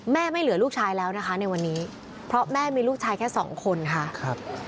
ไม่เหลือลูกชายแล้วนะคะในวันนี้เพราะแม่มีลูกชายแค่สองคนค่ะครับ